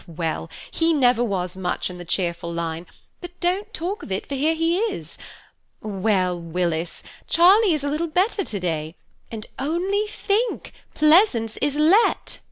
"Well, he never was much in the cheerful line; but don't talk of it, for here he is. Well, Willis, Charlie is a little better to day; and only think, Pleasance is let!"